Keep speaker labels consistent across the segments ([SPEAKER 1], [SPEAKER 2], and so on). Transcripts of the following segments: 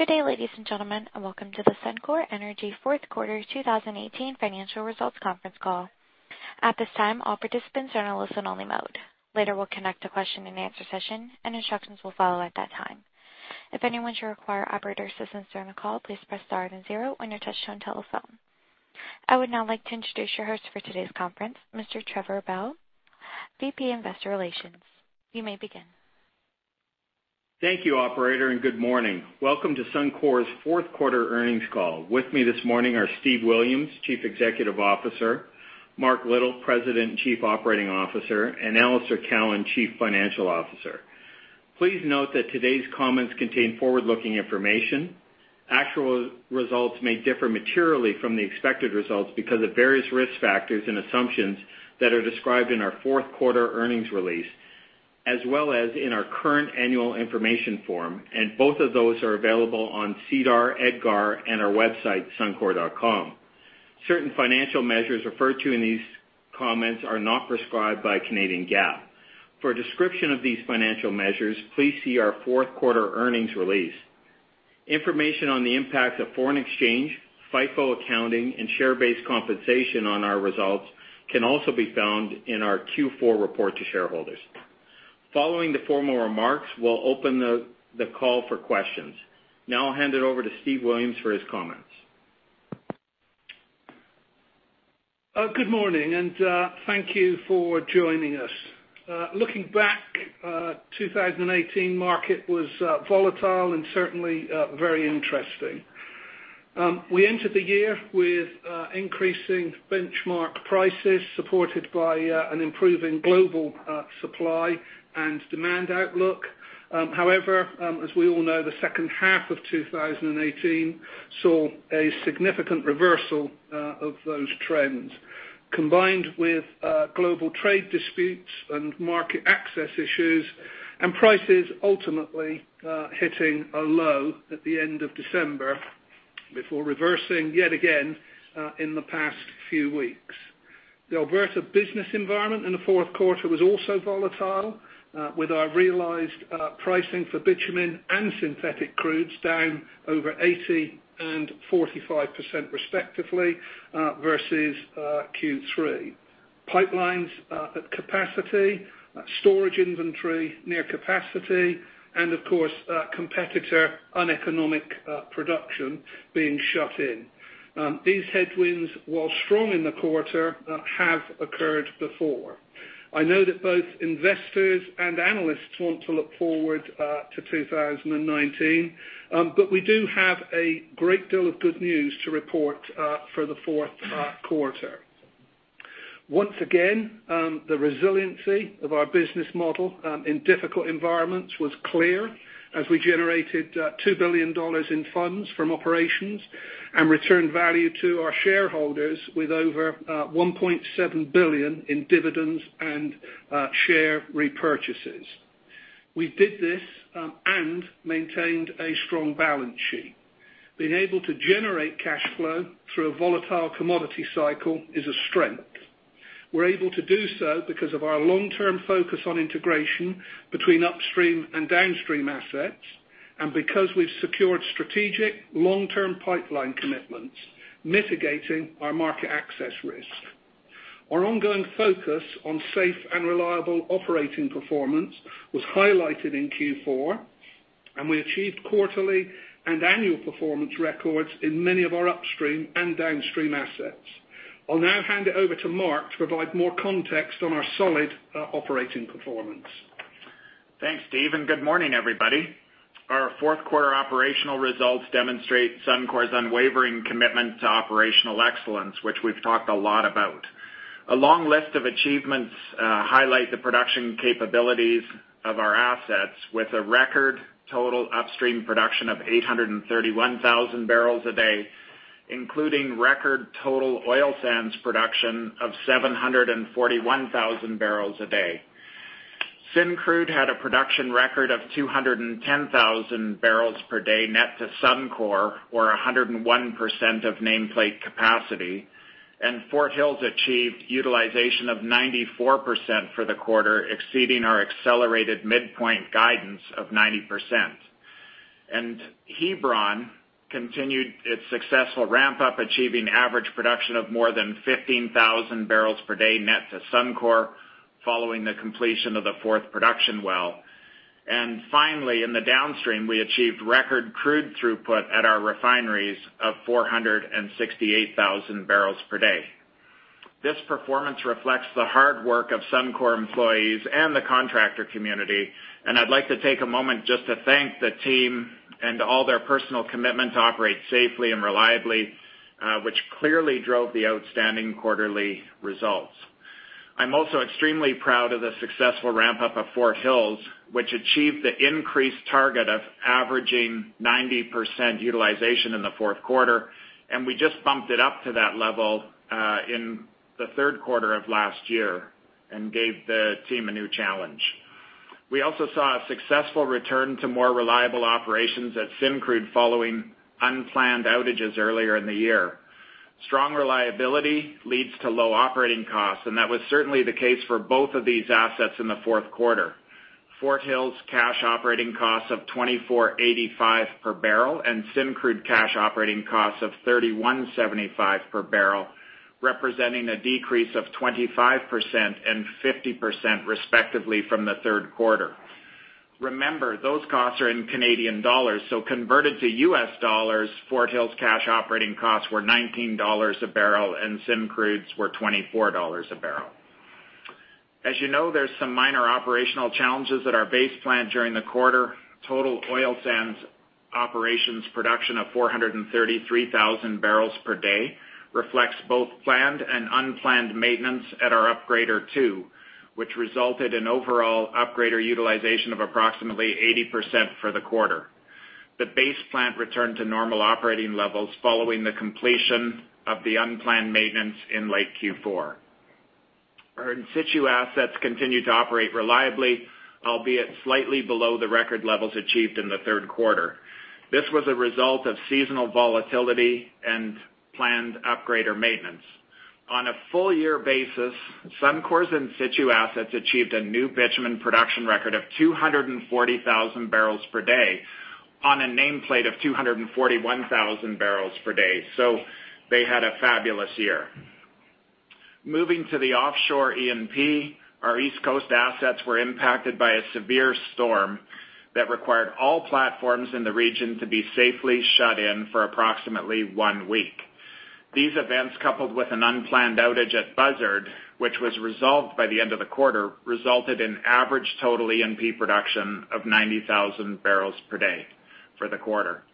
[SPEAKER 1] Good day, ladies and gentlemen, welcome to the Suncor Energy fourth quarter 2018 financial results conference call. At this time, all participants are in listen-only mode. Later, we'll conduct a question and answer session, instructions will follow at that time. If anyone should require operator assistance during the call, please press star then zero on your touch-tone telephone. I would now like to introduce your host for today's conference, Mr. Trevor Bell, VP Investor Relations. You may begin.
[SPEAKER 2] Thank you operator, good morning. Welcome to Suncor's fourth quarter earnings call. With me this morning are Steve Williams, Chief Executive Officer, Mark Little, President Chief Operating Officer, and Alister Cowan, Chief Financial Officer. Please note that today's comments contain forward-looking information. Actual results may differ materially from the expected results because of various risk factors and assumptions that are described in our fourth quarter earnings release, as well as in our current annual information form, both of those are available on SEDAR, EDGAR, and our website, suncor.com. Certain financial measures referred to in these comments are not prescribed by Canadian GAAP. For a description of these financial measures, please see our fourth quarter earnings release. Information on the impact of foreign exchange, FIFO accounting, and share-based compensation on our results can also be found in our Q4 report to shareholders. Following the formal remarks, we'll open the call for questions. Now I'll hand it over to Steve Williams for his comments.
[SPEAKER 3] Good morning, thank you for joining us. Looking back, 2018 market was volatile certainly very interesting. We entered the year with increasing benchmark prices, supported by an improving global supply demand outlook. However, as we all know, the second half of 2018 saw a significant reversal of those trends, combined with global trade disputes market access issues and prices ultimately hitting a low at the end of December before reversing yet again in the past few weeks. The Alberta business environment in the fourth quarter was also volatile, with our realized pricing for bitumen and synthetic crude down over 80% and 45% respectively versus Q3. Pipelines at capacity, storage inventory near capacity, of course, competitor uneconomic production being shut in. These headwinds, while strong in the quarter, have occurred before. I know that both investors and analysts want to look forward to 2019. We do have a great deal of good news to report for the fourth quarter. Once again, the resiliency of our business model in difficult environments was clear as we generated 2 billion dollars in funds from operations and returned value to our shareholders with over 1.7 billion in dividends and share repurchases. We did this and maintained a strong balance sheet. Being able to generate cash flow through a volatile commodity cycle is a strength. We're able to do so because of our long-term focus on integration between upstream and downstream assets and because we've secured strategic long-term pipeline commitments, mitigating our market access risk. Our ongoing focus on safe and reliable operating performance was highlighted in Q4. We achieved quarterly and annual performance records in many of our upstream and downstream assets. I'll now hand it over to Mark to provide more context on our solid operating performance.
[SPEAKER 4] Thanks, Steve. Good morning, everybody. Our fourth quarter operational results demonstrate Suncor's unwavering commitment to operational excellence, which we've talked a lot about. A long list of achievements highlight the production capabilities of our assets with a record total upstream production of 831,000 bbls a day, including record total oil sands production of 741,000 bbls a day. Syncrude had a production record of 210,000 bbls per day net to Suncor or 101% of nameplate capacity. Fort Hills achieved utilization of 94% for the quarter, exceeding our accelerated midpoint guidance of 90%. Hebron continued its successful ramp-up, achieving average production of more than 15,000 bbls per day net to Suncor following the completion of the fourth production well. Finally, in the downstream, we achieved record crude throughput at our refineries of 468,000 bbls per day. This performance reflects the hard work of Suncor employees and the contractor community. I'd like to take a moment just to thank the team and all their personal commitment to operate safely and reliably, which clearly drove the outstanding quarterly results. I'm also extremely proud of the successful ramp-up of Fort Hills, which achieved the increased target of averaging 90% utilization in the fourth quarter. We just bumped it up to that level in the third quarter of last year and gave the team a new challenge. We also saw a successful return to more reliable operations at Syncrude following unplanned outages earlier in the year. Strong reliability leads to low operating costs. That was certainly the case for both of these assets in the fourth quarter. Fort Hills cash operating costs of 24.85 per bbl and Syncrude cash operating costs of 31.75 per bbl, representing a decrease of 25% and 50% respectively from the third quarter. Remember, those costs are in Canadian dollars, so converted to U.S. dollars, Fort Hills cash operating costs were $19 a bbl and Syncrude's were $24 a bbl. As you know, there are some minor operational challenges at our Base Plant during the quarter. Total oil sands operations production of 433,000 bbls per day reflects both planned and unplanned maintenance at our Upgrader two, which resulted in overall upgrader utilization of approximately 80% for the quarter. The Base Plant returned to normal operating levels following the completion of the unplanned maintenance in late Q4. Our in situ assets continue to operate reliably, albeit slightly below the record levels achieved in the third quarter. This was a result of seasonal volatility and planned upgrader maintenance. On a full year basis, Suncor's in situ assets achieved a new bitumen production record of 240,000 bbls per day on a nameplate of 241,000 bbls per day. They had a fabulous year. Moving to the offshore E&P, our East Coast assets were impacted by a severe storm that required all platforms in the region to be safely shut in for approximately one week. These events, coupled with an unplanned outage at Buzzard, which was resolved by the end of the quarter, resulted in average total E&P production of 90,000 bbls per day for the quarter.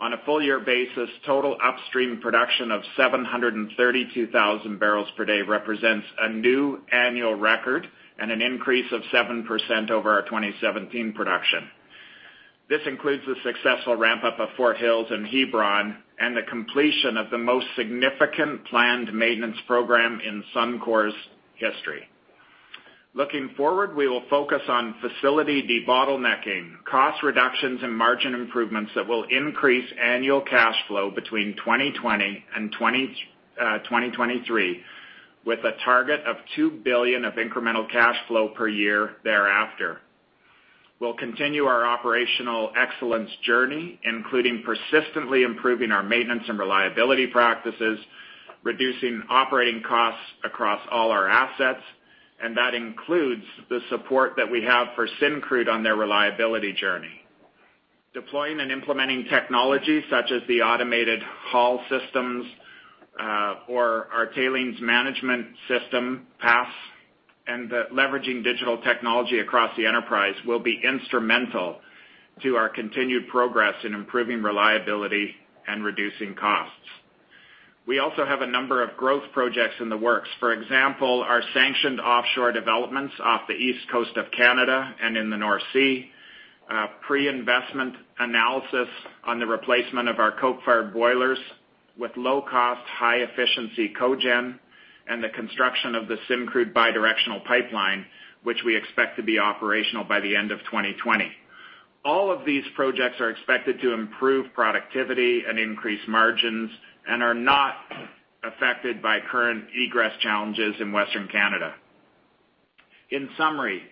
[SPEAKER 4] On a full year basis, total upstream production of 732,000 bbls per day represents a new annual record and an increase of 7% over our 2017 production. This includes the successful ramp-up of Fort Hills and Hebron and the completion of the most significant planned maintenance program in Suncor's history. Looking forward, we will focus on facility debottlenecking, cost reductions, and margin improvements that will increase annual cash flow between 2020 and 2023, with a target of 2 billion of incremental cash flow per year thereafter. We'll continue our operational excellence journey, including persistently improving our maintenance and reliability practices, reducing operating costs across all our assets, and that includes the support that we have for Syncrude on their reliability journey. Deploying and implementing technology such as the autonomous haul systems, or our tailings management system, PASS, and the leveraging digital technology across the enterprise will be instrumental to our continued progress in improving reliability and reducing costs. We also have a number of growth projects in the works. For example, our sanctioned offshore developments off the East Coast of Canada and in the North Sea, pre-investment analysis on the replacement of our coke fire boilers with low-cost, high-efficiency cogen, and the construction of the Syncrude bi-directional pipeline, which we expect to be operational by the end of 2020. All of these projects are expected to improve productivity and increase margins and are not affected by current egress challenges in Western Canada. In summary,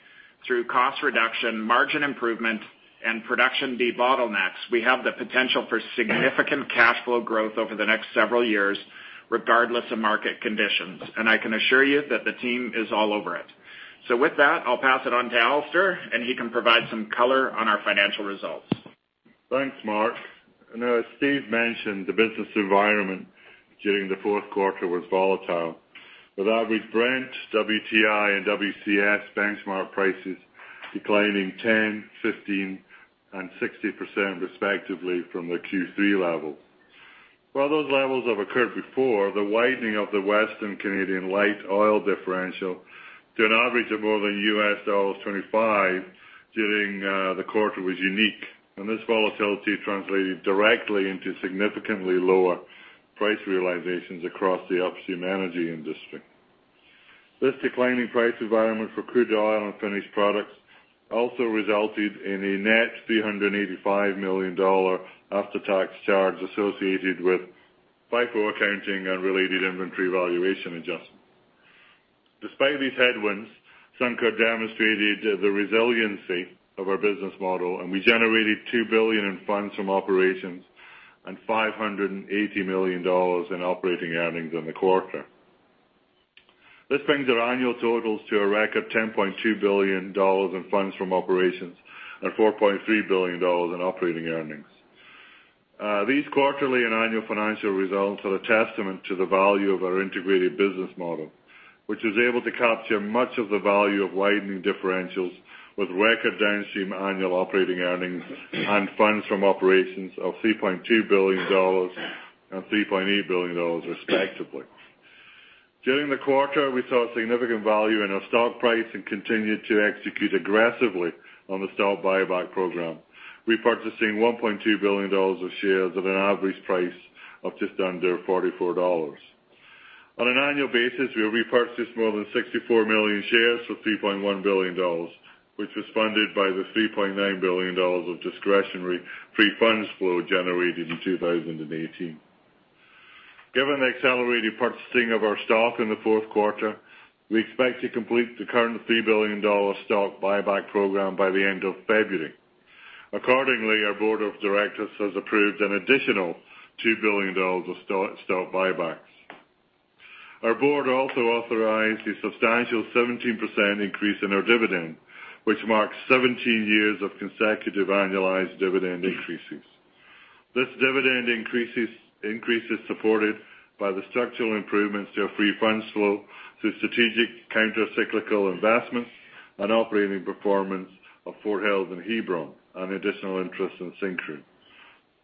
[SPEAKER 4] through cost reduction, margin improvement, and production debottlenecks, we have the potential for significant cash flow growth over the next several years, regardless of market conditions. I can assure you that the team is all over it. With that, I'll pass it on to Alister, and he can provide some color on our financial results.
[SPEAKER 5] Thanks, Mark. I know as Steve mentioned, the business environment during the fourth quarter was volatile, with average Brent, WTI, and WCS benchmark prices declining 10%, 15%, and 60% respectively from the Q3 level. While those levels have occurred before, the widening of the Western Canadian light oil differential to an average of more than $25 during the quarter was unique. This volatility translated directly into significantly lower price realizations across the upstream energy industry. This declining price environment for crude oil and finished products also resulted in a net 385 million dollar after-tax charge associated with FIFO accounting and related inventory valuation adjustment. Despite these headwinds, Suncor demonstrated the resiliency of our business model, we generated 2 billion in funds from operations and 580 million dollars in operating earnings in the quarter. This brings our annual totals to a record 10.2 billion dollars in funds from operations and 4.3 billion dollars in operating earnings. These quarterly and annual financial results are a testament to the value of our integrated business model, which is able to capture much of the value of widening differentials with record downstream annual operating earnings and funds from operations of 3.2 billion dollars and 3.8 billion dollars, respectively. During the quarter, we saw significant value in our stock price and continued to execute aggressively on the stock buyback program. We are purchasing 1.2 billion dollars of shares at an average price of just under 44 dollars. On an annual basis, we repurchased more than 64 million shares for 3.1 billion dollars, which was funded by the 3.9 billion dollars of discretionary free funds flow generated in 2018. Given the accelerated purchasing of our stock in the fourth quarter, we expect to complete the current 3 billion dollar stock buyback program by the end of February. Accordingly, our board of directors has approved an additional 2 billion dollars of stock buybacks. Our board also authorized a substantial 17% increase in our dividend, which marks 17 years of consecutive annualized dividend increases. This dividend increase is supported by the structural improvements to our free fund flow through strategic countercyclical investments and operating performance of Fort Hills and Hebron and additional interest in Syncrude.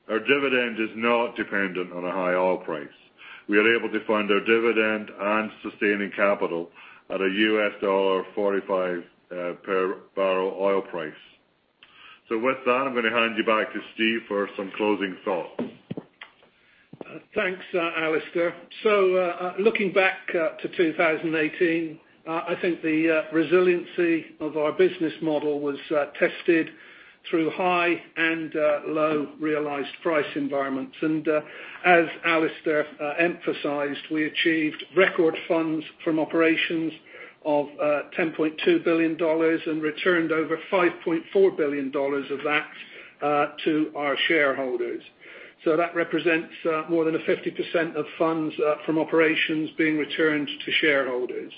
[SPEAKER 5] Our dividend is not dependent on a high oil price. We are able to fund our dividend and sustaining capital at a $45 per bbl oil price. With that, I am going to hand you back to Steve for some closing thoughts.
[SPEAKER 3] Thanks, Alister. Looking back to 2018, I think the resiliency of our business model was tested through high and low realized price environments. As Alister emphasized, we achieved record funds from operations of 10.2 billion dollars and returned over 5.4 billion dollars of that to our shareholders. That represents more than a 50% of funds from operations being returned to shareholders.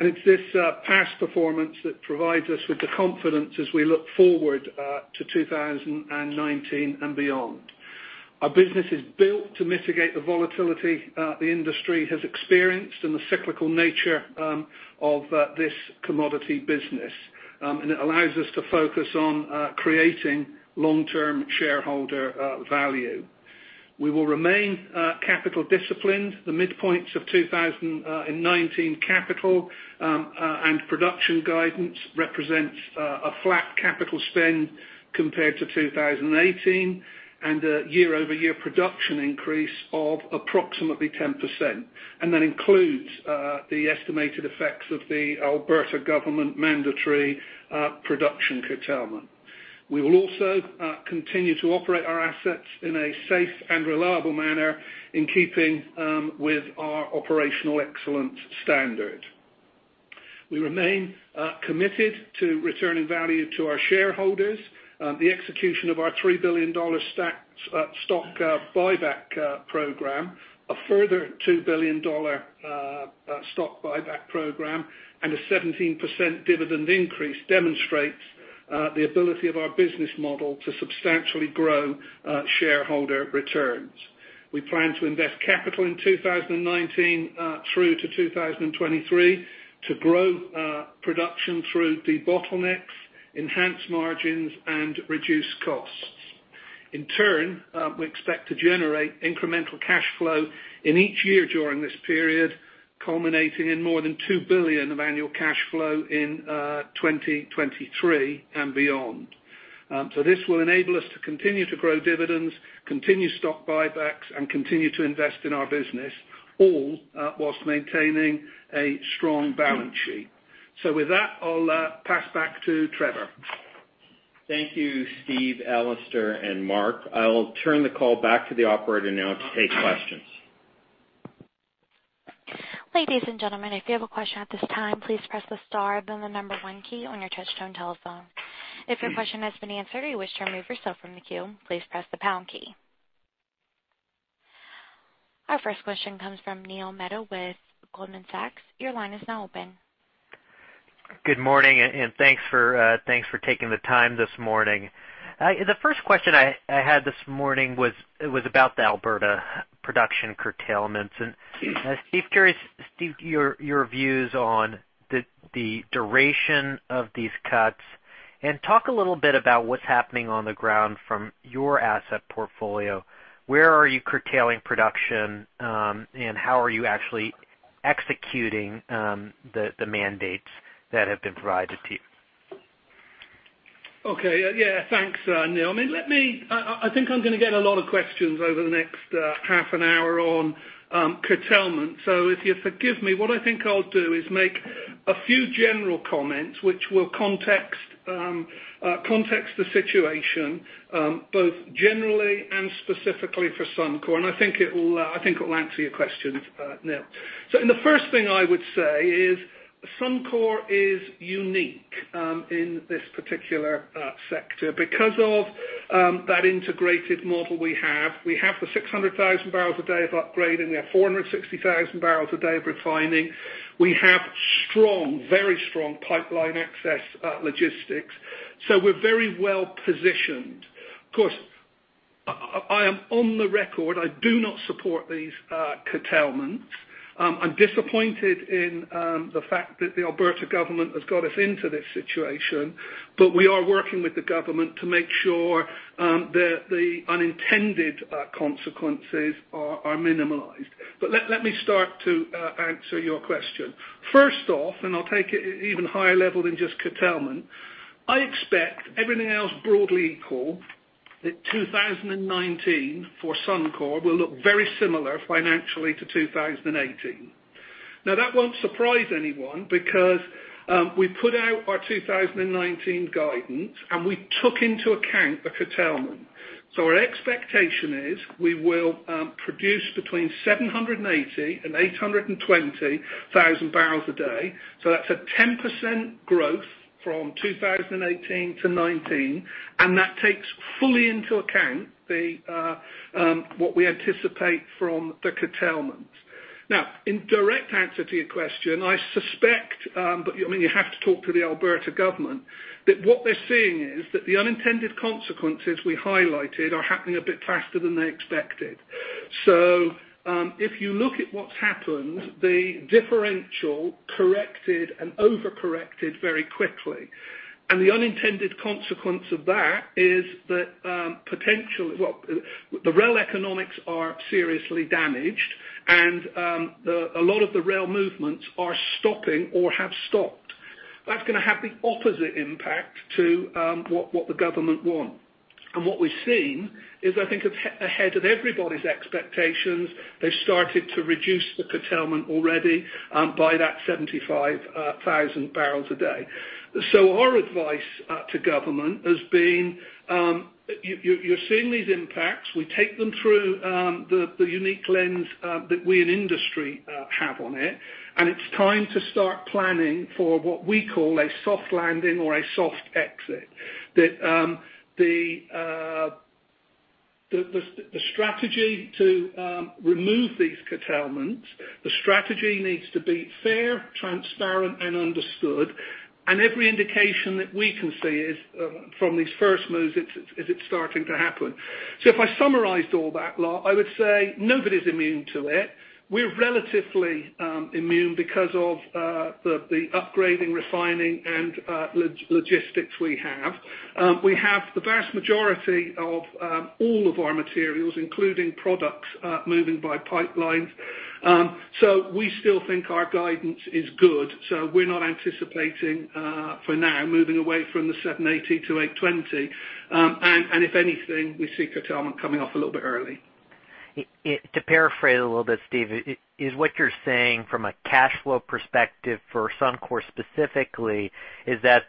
[SPEAKER 3] It is this past performance that provides us with the confidence as we look forward to 2019 and beyond. Our business is built to mitigate the volatility the industry has experienced and the cyclical nature of this commodity business. It allows us to focus on creating long-term shareholder value. We will remain capital disciplined. The midpoints of 2019 capital and production guidance represents a flat capital spend compared to 2018 and a year-over-year production increase of approximately 10%. That includes the estimated effects of the Alberta government mandatory production curtailment. We will also continue to operate our assets in a safe and reliable manner in keeping with our operational excellence standard. We remain committed to returning value to our shareholders. The execution of our 3 billion dollar stock buyback program, a further 2 billion dollar stock buyback program, and a 17% dividend increase demonstrates the ability of our business model to substantially grow shareholder returns. We plan to invest capital in 2019 through to 2023 to grow production through debottlenecks, enhance margins, and reduce costs. In turn, we expect to generate incremental cash flow in each year during this period, culminating in more than 2 billion of annual cash flow in 2023 and beyond. This will enable us to continue to grow dividends, continue stock buybacks, and continue to invest in our business, all whilst maintaining a strong balance sheet. With that, I'll pass back to Trevor.
[SPEAKER 2] Thank you, Steve, Alister, and Mark. I will turn the call back to the operator now to take questions.
[SPEAKER 1] Ladies and gentlemen, if you have a question at this time, please press the star, then the number one key on your touchtone telephone. If your question has been answered or you wish to remove yourself from the queue, please press the pound key. Our first question comes from Neil Mehta with Goldman Sachs. Your line is now open.
[SPEAKER 6] Good morning, thanks for taking the time this morning. The first question I had this morning was about the Alberta production curtailments. Steve, curious, your views on the duration of these cuts. Talk a little bit about what's happening on the ground from your asset portfolio. Where are you curtailing production? How are you actually executing the mandates that have been provided to you?
[SPEAKER 3] Okay. Yeah. Thanks, Neil. I think I'm going to get a lot of questions over the next half an hour on curtailment. If you forgive me, what I think I'll do is make a few general comments which will context the situation, both generally and specifically for Suncor, I think it will answer your questions, Neil. The first thing I would say is Suncor is unique in this particular sector because of that integrated model we have. We have the 600,000 bbls a day of upgrading. We have 460,000 bbls a day of refining. We have strong, very strong pipeline access logistics. We're very well positioned. Of course, I am on the record. I do not support these curtailments. I'm disappointed in the fact that the Alberta government has got us into this situation. We are working with the government to make sure that the unintended consequences are minimized. Let me start to answer your question. First off, I'll take it even higher level than just curtailment. I expect everything else broadly equal. That 2019 for Suncor will look very similar financially to 2018. That won't surprise anyone because we put out our 2019 guidance, we took into account the curtailment. Our expectation is we will produce between 780 and 820,000 bbls a day. That's a 10% growth from 2018 to 2019, that takes fully into account what we anticipate from the curtailment. In direct answer to your question, I suspect, you have to talk to the Alberta government, that what they're seeing is that the unintended consequences we highlighted are happening a bit faster than they expected. If you look at what's happened, the differential corrected and over-corrected very quickly. The unintended consequence of that is that the rail economics are seriously damaged, a lot of the rail movements are stopping or have stopped. That's going to have the opposite impact to what the government want. What we've seen is, I think, ahead of everybody's expectations, they've started to reduce the curtailment already by that 75,000 bbls a day. Our advice to government has been, you're seeing these impacts. We take them through the unique lens that we in industry have on it's time to start planning for what we call a soft landing or a soft exit. That the strategy to remove these curtailments, the strategy needs to be fair, transparent, and understood. Every indication that we can see is from these first moves, is it's starting to happen. If I summarized all that lot, I would say nobody's immune to it. We're relatively immune because of the upgrading, refining, and logistics we have. We have the vast majority of all of our materials, including products, moving by pipelines. We still think our guidance is good. We're not anticipating, for now, moving away from the 780-820. If anything, we see curtailment coming off a little bit early.
[SPEAKER 6] To paraphrase a little bit, Steve, is what you're saying from a cash flow perspective for Suncor specifically, is that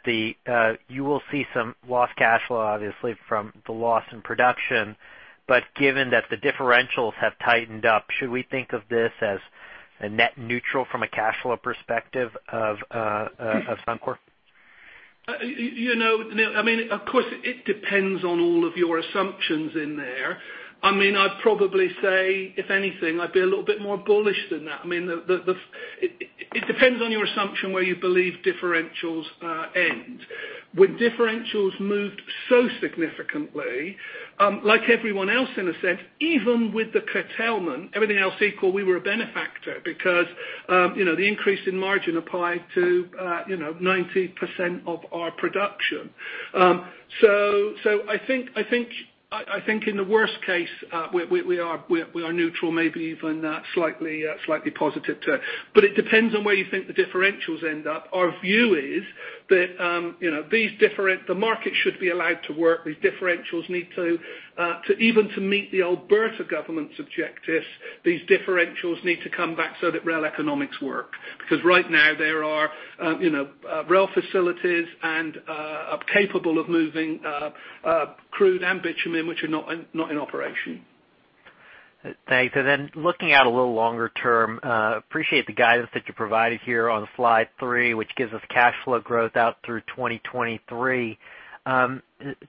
[SPEAKER 6] you will see some lost cash flow, obviously, from the loss in production, given that the differentials have tightened up, should we think of this as a net neutral from a cash flow perspective of Suncor?
[SPEAKER 3] Of course, it depends on all of your assumptions in there. I'd probably say, if anything, I'd be a little bit more bullish than that. It depends on your assumption where you believe differentials end. With differentials moved so significantly, like everyone else in a sense, even with the curtailment, everything else equal, we were a benefactor because the increase in margin applied to 90% of our production. I think in the worst case, we are neutral, maybe even slightly positive to it. It depends on where you think the differentials end up. Our view is that the market should be allowed to work. Even to meet the Alberta government's objectives, these differentials need to come back so that rail economics work. Right now there are rail facilities capable of moving crude and bitumen, which are not in operation.
[SPEAKER 6] Thanks. Looking out a little longer term, appreciate the guidance that you provided here on slide three, which gives us cash flow growth out through 2023. A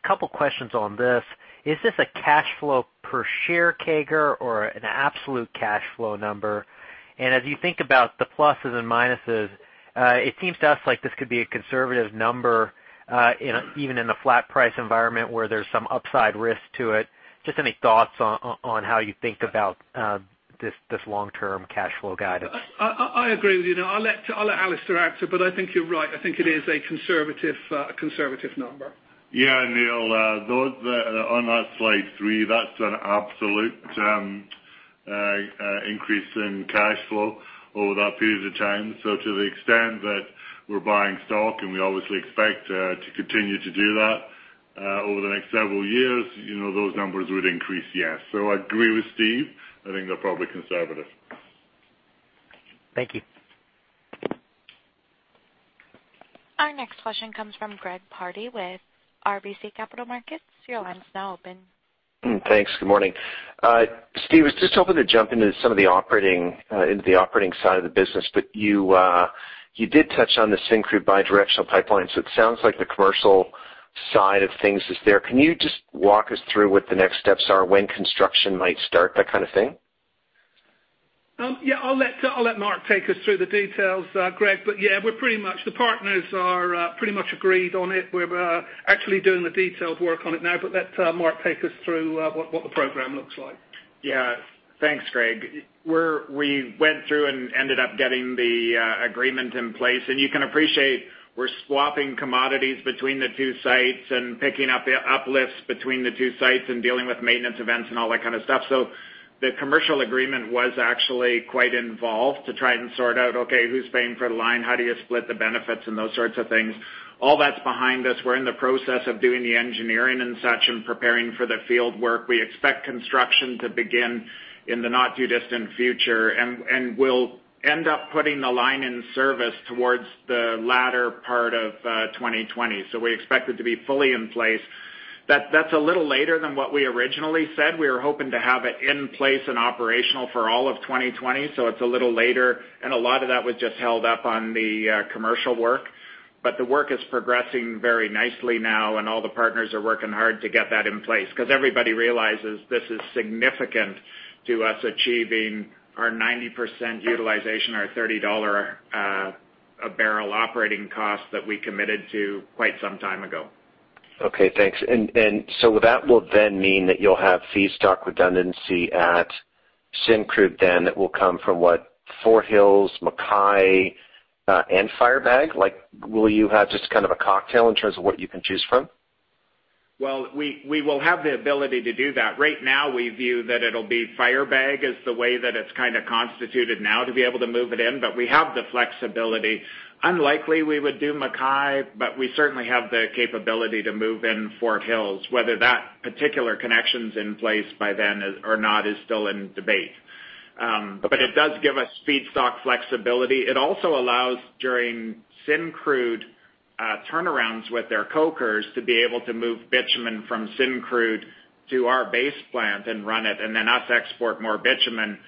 [SPEAKER 6] couple questions on this. Is this a cash flow per share CAGR or an absolute cash flow number? As you think about the pluses and minuses, it seems to us like this could be a conservative number even in a flat price environment where there's some upside risk to it. Just any thoughts on how you think about this long-term cash flow guidance?
[SPEAKER 3] I agree with you. I'll let Alister answer, but I think you're right. I think it is a conservative number.
[SPEAKER 5] Yeah, Neil, on that slide three, that's an absolute increase in cash flow over that period of time. To the extent that we're buying stock, and we obviously expect to continue to do that over the next several years, those numbers would increase, yes. I agree with Steve. I think they're probably conservative.
[SPEAKER 6] Thank you.
[SPEAKER 1] Our next question comes from Greg Pardy with RBC Capital Markets. Your line is now open.
[SPEAKER 7] Thanks. Good morning. Steve, I was just hoping to jump into some of the operating side of the business. You did touch on the Syncrude bi-directional pipeline. It sounds like the commercial side of things is there. Can you just walk us through what the next steps are, when construction might start, that kind of thing?
[SPEAKER 3] Yeah, I'll let Mark take us through the details, Greg. Yeah, the partners are pretty much agreed on it. We're actually doing the detailed work on it now, but let Mark take us through what the program looks like.
[SPEAKER 4] Yeah. Thanks, Greg. We went through and ended up getting the agreement in place. You can appreciate we're swapping commodities between the two sites and picking up uplifts between the two sites and dealing with maintenance events and all that kind of stuff. The commercial agreement was actually quite involved to try and sort out, okay, who's paying for the line? How do you split the benefits and those sorts of things. All that's behind us. We're in the process of doing the engineering and such and preparing for the field work. We expect construction to begin in the not too distant future, and we'll end up putting the line in service towards the latter part of 2020. We expect it to be fully in place. That's a little later than what we originally said. We were hoping to have it in place and operational for all of 2020, so it's a little later, and a lot of that was just held up on the commercial work. The work is progressing very nicely now, and all the partners are working hard to get that in place, because everybody realizes this is significant to us achieving our 90% utilization, our 30 dollar a bbl operating cost that we committed to quite some time ago.
[SPEAKER 7] Okay, thanks. That will then mean that you'll have feedstock redundancy at Syncrude then that will come from what, Fort Hills, MacKay, and Firebag? Will you have just kind of a cocktail in terms of what you can choose from?
[SPEAKER 4] Well, we will have the ability to do that. Right now, we view that it'll be Firebag as the way that it's kind of constituted now to be able to move it in, but we have the flexibility. Unlikely we would do MacKay, but we certainly have the capability to move in Fort Hills. Whether that particular connection's in place by then or not is still in debate.
[SPEAKER 7] Okay.
[SPEAKER 4] It does give us feedstock flexibility. It also allows, during Syncrude turnarounds with their cokers, to be able to move bitumen from Syncrude to our base plant and run it, and then us export more bitumen.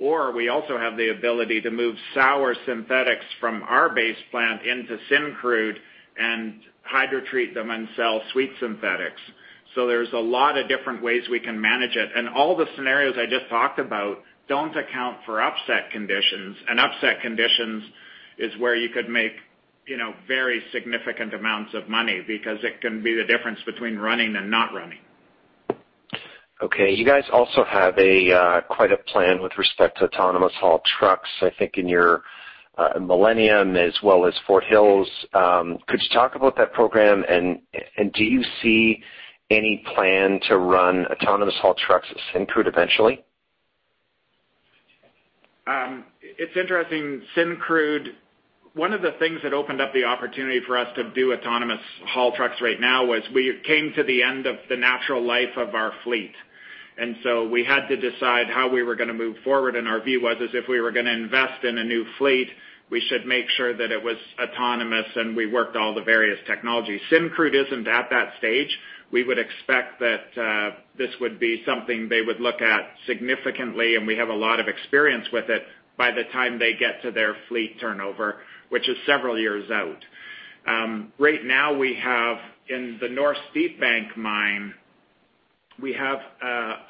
[SPEAKER 4] We also have the ability to move sour synthetics from our base plant into Syncrude and hydrotreat them and sell sweet synthetics. There's a lot of different ways we can manage it. All the scenarios I just talked about don't account for upset conditions. Upset conditions is where you could make very significant amounts of money because it can be the difference between running and not running.
[SPEAKER 7] Okay. You guys also have quite a plan with respect to autonomous haul trucks, I think in your Millennium as well as Fort Hills. Could you talk about that program? Do you see any plan to run autonomous haul trucks at Syncrude eventually?
[SPEAKER 4] It's interesting. One of the things that opened up the opportunity for us to do autonomous haul trucks right now was we came to the end of the natural life of our fleet. We had to decide how we were going to move forward, and our view was if we were going to invest in a new fleet, we should make sure that it was autonomous and we worked all the various technologies. Syncrude isn't at that stage. We would expect that this would be something they would look at significantly, and we have a lot of experience with it by the time they get to their fleet turnover, which is several years out. Right now, in the North Steepbank Mine, we have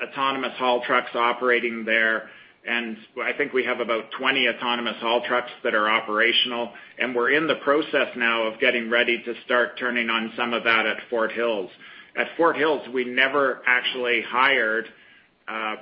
[SPEAKER 4] autonomous haul trucks operating there, and I think we have about 20 autonomous haul trucks that are operational. We're in the process now of getting ready to start turning on some of that at Fort Hills. At Fort Hills, we never actually hired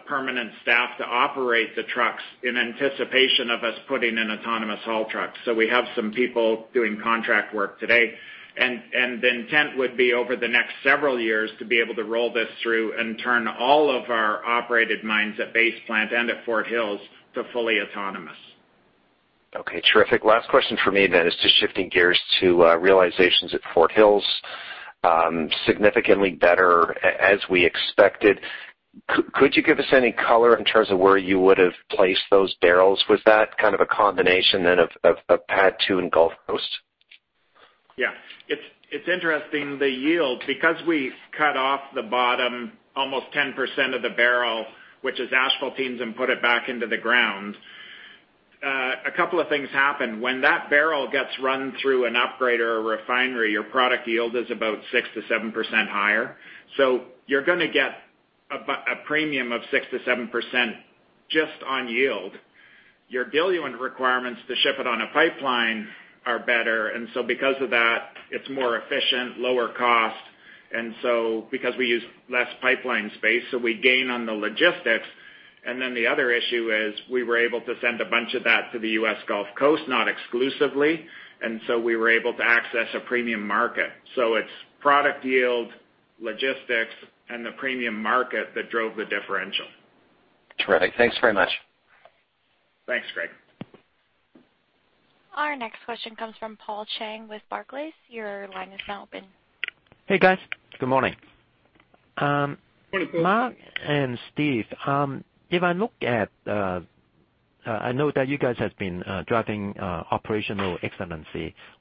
[SPEAKER 4] permanent staff to operate the trucks in anticipation of us putting in autonomous haul trucks. So we have some people doing contract work today. The intent would be over the next several years to be able to roll this through and turn all of our operated mines at Base Plant and at Fort Hills to fully autonomous.
[SPEAKER 7] Okay. Terrific. Last question from me then is just shifting gears to realizations at Fort Hills. Significantly better as we expected. Could you give us any color in terms of where you would have placed those barrels? Was that kind of a combination then of PADD 2 and U.S. Gulf Coast?
[SPEAKER 4] Yeah. It's interesting, the yield. Because we cut off the bottom almost 10% of the barrel, which is asphaltenes, and put it back into the ground, a couple of things happen. When that barrel gets run through an upgrade or a refinery, your product yield is about 6%-7% higher. So you're going to get a premium of 6%-7% just on yield. Your diluent requirements to ship it on a pipeline are better, and so because of that, it's more efficient, lower cost. So because we use less pipeline space, we gain on the logistics. Then the other issue is we were able to send a bunch of that to the U.S. Gulf Coast, not exclusively, and so we were able to access a premium market. So it's product yield, logistics, and the premium market that drove the differential.
[SPEAKER 7] Terrific. Thanks very much.
[SPEAKER 4] Thanks, Greg.
[SPEAKER 1] Our next question comes from Paul Cheng with Barclays. Your line is now open.
[SPEAKER 8] Hey, guys. Good morning.
[SPEAKER 4] Good morning.
[SPEAKER 8] Mark and Steve, I know that you guys have been driving operational excellence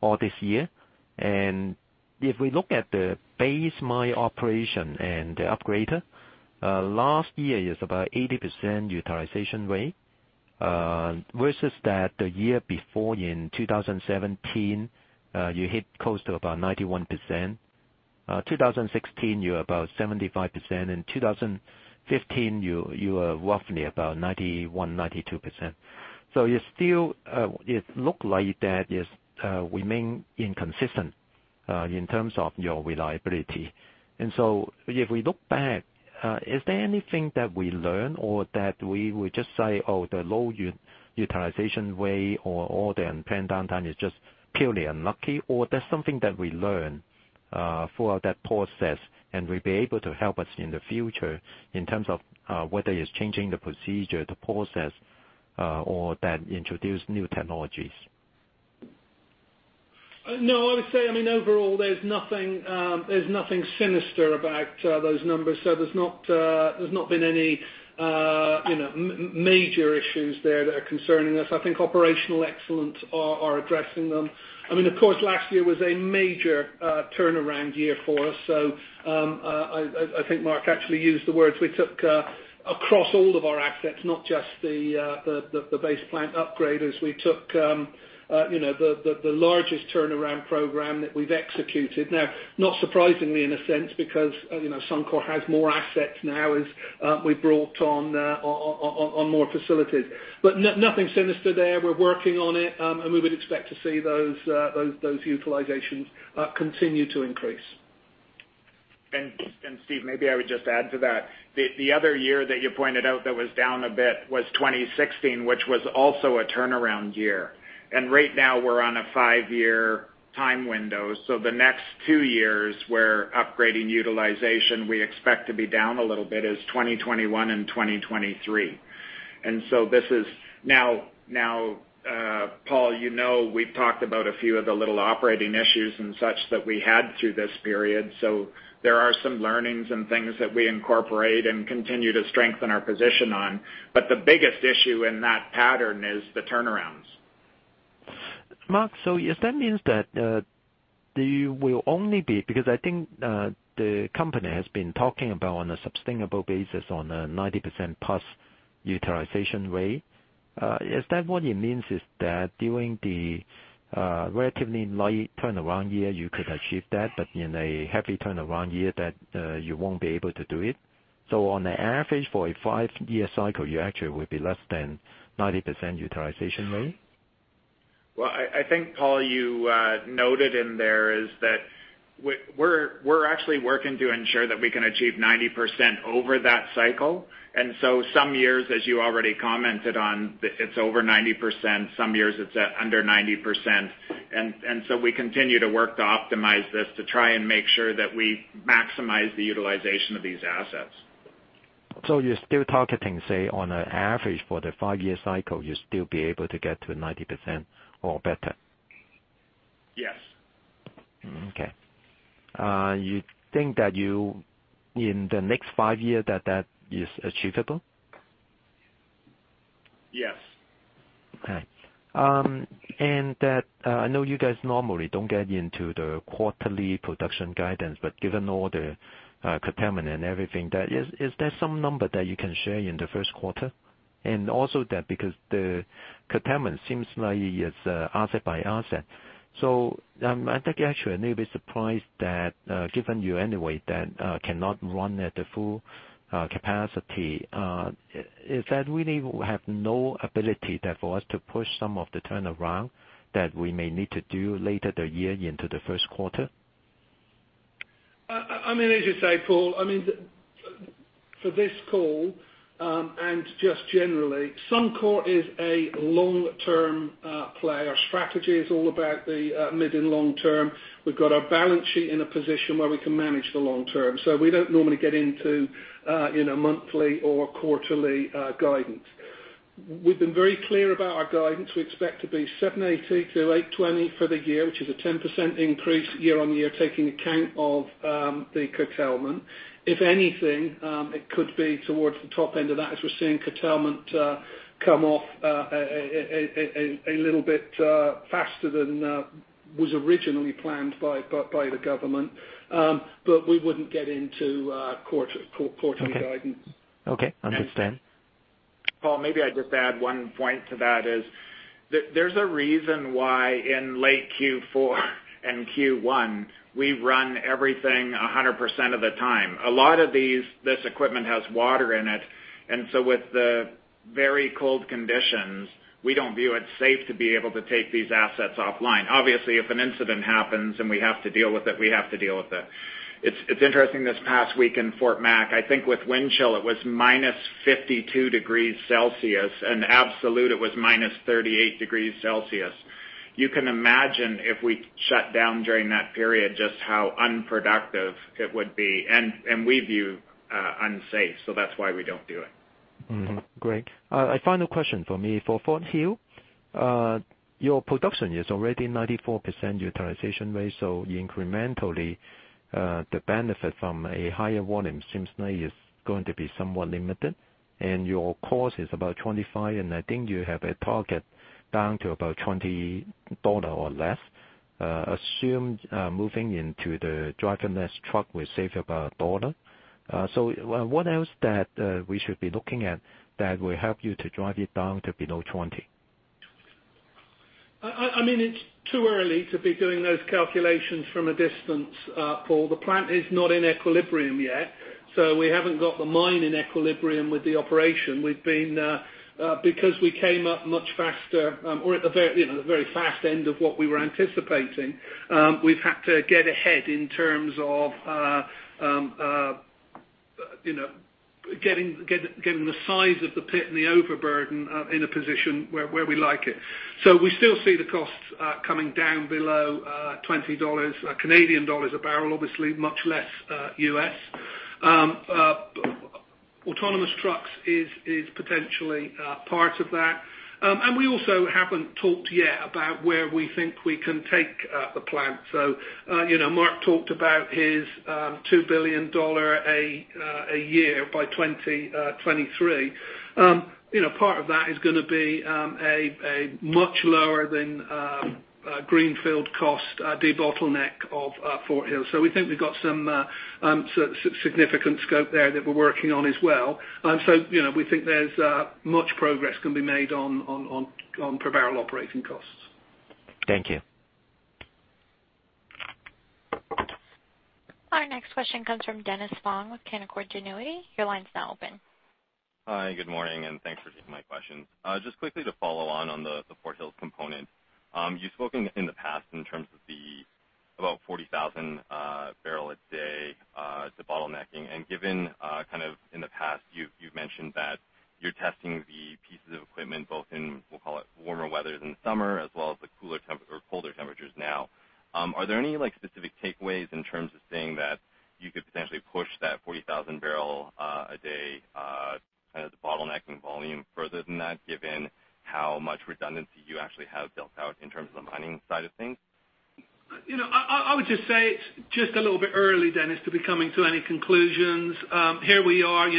[SPEAKER 8] all this year. If we look at the base mine operation and the upgrader, last year is about 80% utilization rate, versus that the year before in 2017, you hit close to about 91%. 2016, you were about 75%, and 2015 you were roughly about 91%, 92%. It look like that you remain inconsistent in terms of your reliability. If we look back, is there anything that we learn or that we would just say, oh, the low utilization rate or the unplanned downtime is just purely unlucky? There's something that we learn throughout that process and will be able to help us in the future in terms of whether it's changing the procedure, the process, or that introduce new technologies.
[SPEAKER 3] No, I would say, overall, there's nothing sinister about those numbers. There's not been any major issues there that are concerning us. I think operational excellence are addressing them. Of course, last year was a major turnaround year for us. I think Mark actually used the words we took across all of our assets, not just the Base Plant upgraders. We took the largest turnaround program that we've executed. Not surprisingly, in a sense, because Suncor has more assets now as we brought on more facilities. Nothing sinister there. We're working on it, and we would expect to see those utilizations continue to increase.
[SPEAKER 4] Steve, maybe I would just add to that. The other year that you pointed out that was down a bit was 2016, which was also a turnaround year. Right now we're on a five-year time window. The next two years, we're upgrading utilization, we expect to be down a little bit is 2021 and 2023. Paul, you know we've talked about a few of the little operating issues and such that we had through this period. There are some learnings and things that we incorporate and continue to strengthen our position on. The biggest issue in that pattern is the turnarounds.
[SPEAKER 8] Mark, that means that there will only be, because I think the company has been talking about on a sustainable basis on a 90%+ utilization rate. Is that what it means is that during the relatively light turnaround year, you could achieve that, but in a heavy turnaround year that you won't be able to do it? On an average for a five-year cycle, you actually will be less than 90% utilization rate?
[SPEAKER 4] Well, I think, Paul, you noted in there is that we're actually working to ensure that we can achieve 90% over that cycle. Some years, as you already commented on, it's over 90%, some years it's at under 90%. We continue to work to optimize this, to try and make sure that we maximize the utilization of these assets.
[SPEAKER 8] You're still targeting, say, on an average for the five-year cycle, you'll still be able to get to 90% or better?
[SPEAKER 4] Yes.
[SPEAKER 8] Okay. You think that in the next five years that that is achievable?
[SPEAKER 4] Yes.
[SPEAKER 8] Okay. I know you guys normally don't get into the quarterly production guidance, but given all the curtailment and everything, is there some number that you can share in the first quarter? Because the curtailment seems like it's asset by asset. I think actually a little bit surprised that, given you anyway, that cannot run at the full capacity. Is that we have no ability there for us to push some of the turnaround that we may need to do later the year into the first quarter?
[SPEAKER 3] As you say, Paul, for this call, and just generally, Suncor is a long-term player. Our strategy is all about the mid and long term. We've got our balance sheet in a position where we can manage the long term. We don't normally get into monthly or quarterly guidance. We've been very clear about our guidance. We expect to be 780 to 820 for the year, which is a 10% increase year-over-year, taking account of the curtailment. If anything, it could be towards the top end of that as we're seeing curtailment come off a little bit faster than was originally planned by the government. We wouldn't get into quarterly guidance.
[SPEAKER 8] Okay. Understand.
[SPEAKER 4] Paul, maybe I'd just add one point to that is, there's a reason why in late Q4 and Q1, we run everything 100% of the time. A lot of this equipment has water in it. With the very cold conditions, we don't view it safe to be able to take these assets offline. Obviously, if an incident happens and we have to deal with it, we have to deal with it. It's interesting this past week in Fort Mac, I think with wind chill, it was -52 degrees Celsius, and absolute it was -38 degrees Celsius. You can imagine if we shut down during that period, just how unproductive it would be. We view unsafe. That's why we don't do it.
[SPEAKER 8] Great. A final question from me. For Fort Hills, your production is already 94% utilization rate, so incrementally, the benefit from a higher volume seems like it's going to be somewhat limited. Your cost is about 25, and I think you have a target down to about 20 dollars or less. Assume moving into the driverless truck will save about CAD 1. What else that we should be looking at that will help you to drive it down to below 20?
[SPEAKER 3] It's too early to be doing those calculations from a distance, Paul. The plant is not in equilibrium yet, so we haven't got the mine in equilibrium with the operation. Because we came up much faster, or at the very fast end of what we were anticipating, we've had to get ahead in terms of getting the size of the pit and the overburden in a position where we like it. We still see the costs coming down below 20 Canadian dollars a bbl, obviously, much less U.S. Autonomous trucks is potentially part of that. We also haven't talked yet about where we think we can take the plant. Mark talked about his 2 billion dollar a year by 2023. Part of that is going to be a much lower than greenfield cost debottleneck of Fort Hills. We think we've got some significant scope there that we're working on as well. We think there's much progress can be made on per barrel operating costs.
[SPEAKER 8] Thank you.
[SPEAKER 1] Our next question comes from Dennis Fong with Canaccord Genuity. Your line's now open.
[SPEAKER 9] Hi, good morning, and thanks for taking my questions. Just quickly to follow on the Fort Hills component. You've spoken in the past in terms of the about 40,000 bbl a day, the bottlenecking, and given, kind of in the past, you've mentioned that you're testing the pieces of equipment both in, we'll call it, warmer weathers in the summer, as well as the colder temperatures now. Are there any specific takeaways in terms of saying that you could potentially push that 40,000 bbl a day as a bottlenecking volume further than that, given how much redundancy you actually have built out in terms of the mining side of things?
[SPEAKER 3] I would just say it's just a little bit early, Dennis, to be coming to any conclusions. Here we are,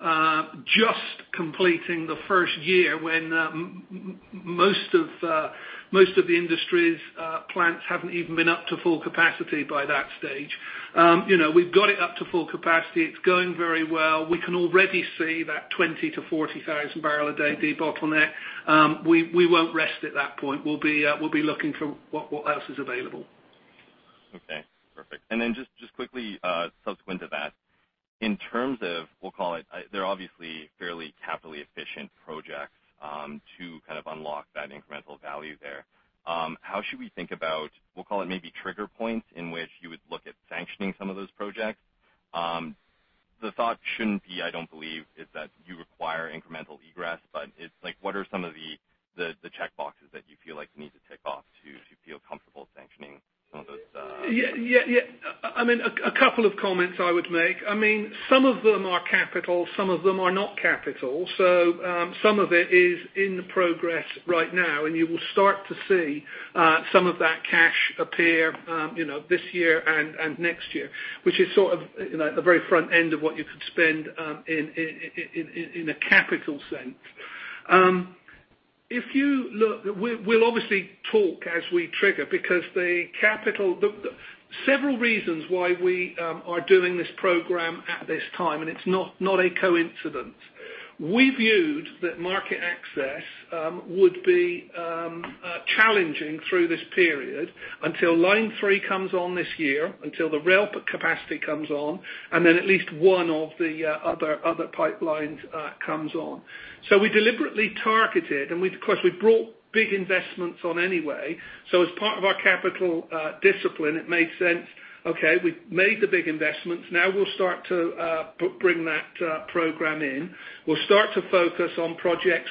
[SPEAKER 3] just completing the first year when most of the industry's plants haven't even been up to full capacity by that stage. We've got it up to full capacity. It's going very well. We can already see that 20,000 to 40,000 bbl a day debottleneck. We won't rest at that point. We'll be looking for what else is available.
[SPEAKER 9] Okay, perfect. Then just quickly, subsequent to that, in terms of, we'll call it, they're obviously fairly capitally efficient projects to kind of unlock that incremental value there. How should we think about, we'll call it, maybe trigger points in which you would look at sanctioning some of those projects? The thought shouldn't be, I don't believe, is that you require incremental egress, but it's like, what are some of the checkboxes that you feel like need to tick off to feel comfortable sanctioning some of those
[SPEAKER 3] Yeah. A couple of comments I would make. Some of them are capital, some of them are not capital. Some of it is in progress right now, and you will start to see some of that cash appear this year and next year, which is sort of the very front end of what you could spend in a capital sense. We'll obviously talk as we trigger because Several reasons why we are doing this program at this time, and it's not a coincidence. We viewed that market access would be challenging through this period until Line three comes on this year, until the rail capacity comes on, and then at least one of the other pipelines comes on. We deliberately targeted, and of course, we brought big investments on anyway. As part of our capital discipline, it made sense. Okay, we've made the big investments. Now we'll start to bring that program in. We'll start to focus on projects.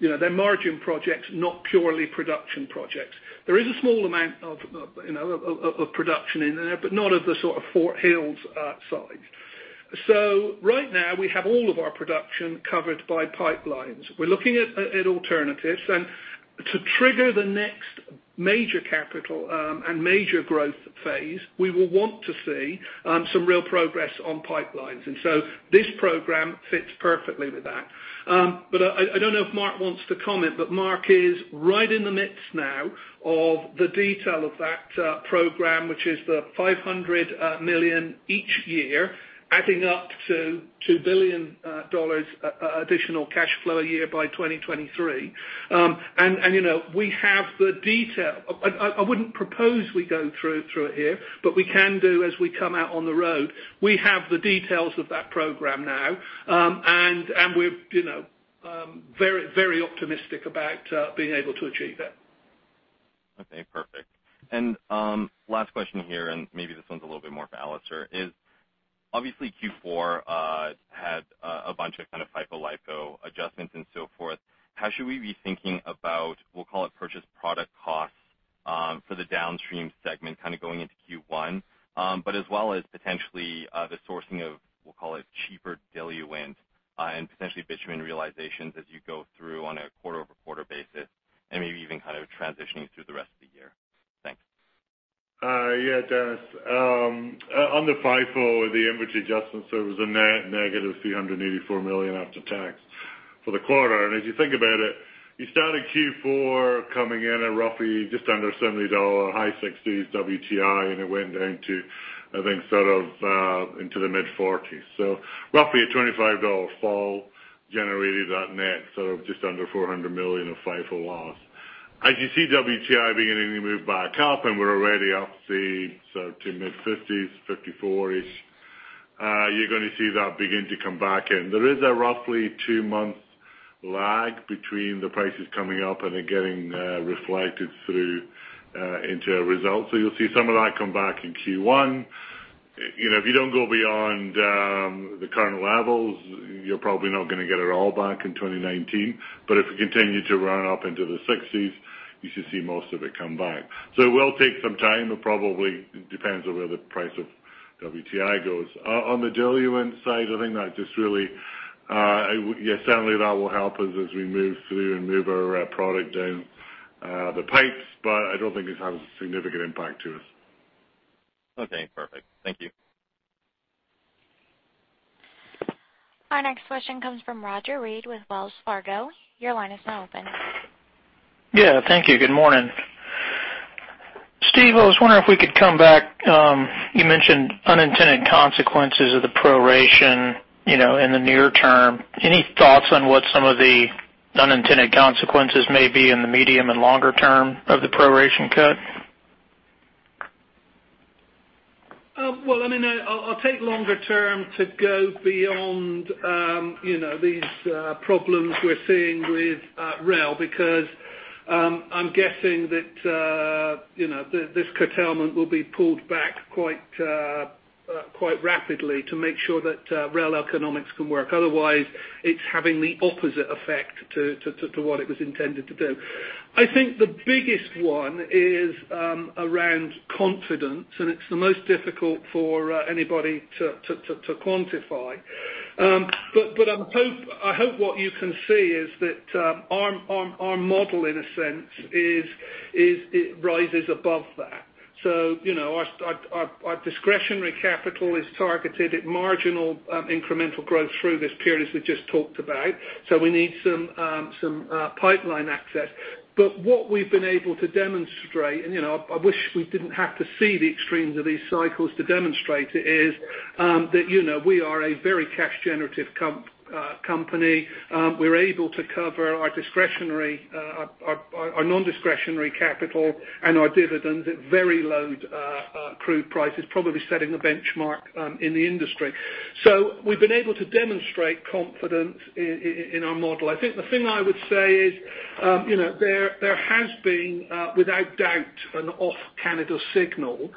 [SPEAKER 3] They're margin projects, not purely production projects. There is a small amount of production in there, but not of the sort of Fort Hills size. Right now, we have all of our production covered by pipelines. We're looking at alternatives, and to trigger the next major capital and major growth phase, we will want to see some real progress on pipelines. This program fits perfectly with that. I don't know if Mark wants to comment, but Mark is right in the midst now of the detail of that program, which is the 500 million each year, adding up to 2 billion dollars additional cash flow a year by 2023. We have the detail. I wouldn't propose we go through it here, but we can do as we come out on the road. We have the details of that program now. We're very optimistic about being able to achieve it.
[SPEAKER 9] Okay, perfect. Last question here, and maybe this one's a little bit more for Alister, is obviously Q4 had a bunch of kind of FIFO, LIFO adjustments and so forth. How should we be thinking about, we'll call it, purchase product costs for the downstream segment kind of going into Q1, but as well as potentially the sourcing of, we'll call it, cheaper diluent and potentially bitumen realizations as you go through on a quarter-over-quarter basis and maybe even kind of transitioning through the rest of the year? Thanks.
[SPEAKER 5] Yeah, Dennis. On the FIFO, the inventory adjustments, it was a net negative 384 million after tax for the quarter. As you think about it, you started Q4 coming in at roughly just under 70 dollar, high 60s WTI, and it went down to, I think into the mid 40s. Roughly a 25 dollar fall generated at net, so just under 400 million of FIFO loss. As you see WTI beginning to move back up and we're already up to mid 50s, 54-ish, you're going to see that begin to come back in. There is a roughly two-month lag between the prices coming up and it getting reflected through into our results. You'll see some of that come back in Q1. If you don't go beyond the current levels, you're probably not going to get it all back in 2019. If we continue to run up into the 60s, you should see most of it come back. It will take some time. It probably depends on where the price of WTI goes. On the diluent side, I think that just yes, certainly that will help us as we move through and move our product down the pipes, but I don't think it has a significant impact to us.
[SPEAKER 9] Okay, perfect. Thank you.
[SPEAKER 1] Our next question comes from Roger Read with Wells Fargo. Your line is now open.
[SPEAKER 10] Yeah, thank you. Good morning. Steve, I was wondering if we could come back. You mentioned unintended consequences of the proration in the near term. Any thoughts on what some of the unintended consequences may be in the medium and longer term of the proration cut?
[SPEAKER 3] Well, I'll take longer term to go beyond these problems we're seeing with rail, I'm guessing that this curtailment will be pulled back quite rapidly to make sure that rail economics can work. Otherwise, it's having the opposite effect to what it was intended to do. I think the biggest one is around confidence, and it's the most difficult for anybody to quantify. I hope what you can see is that our model, in a sense, it rises above that. Our discretionary capital is targeted at marginal incremental growth through this period, as we just talked about. We need some pipeline access. What we've been able to demonstrate, and I wish we didn't have to see the extremes of these cycles to demonstrate it, is that we are a very cash-generative company. We're able to cover our non-discretionary capital and our dividends at very low crude prices, probably setting a benchmark in the industry. We've been able to demonstrate confidence in our model. I think the thing I would say is, there has been, without doubt, an off Canada signal,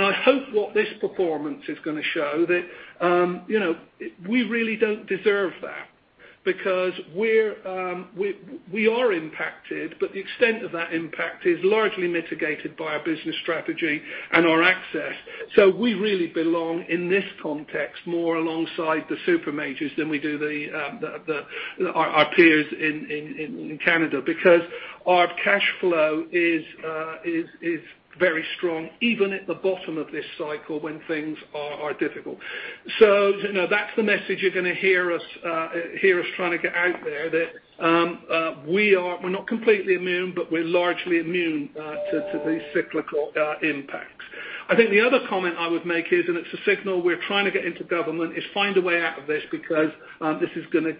[SPEAKER 3] I hope what this performance is going to show that we really don't deserve that we are impacted, the extent of that impact is largely mitigated by our business strategy and our access. We really belong in this context more alongside the super majors than we do our peers in Canada, our cash flow is very strong, even at the bottom of this cycle when things are difficult. That's the message you're going to hear us trying to get out there, that we're not completely immune, but we're largely immune to these cyclical impacts. I think the other comment I would make is, it's a signal we're trying to get into government, is find a way out of this it's going